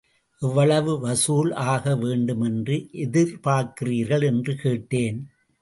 எவ்வளவு வசூல் ஆக வேண்டுமென்று எதிர்பார்க்கிறீர்கள் என்று கேட்டேன்.